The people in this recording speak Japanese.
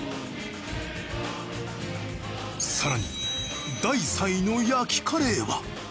さらに第３位の焼きカレーは。